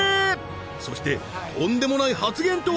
そしてとんでもない発言とは？